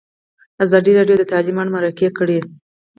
ازادي راډیو د تعلیم اړوند مرکې کړي.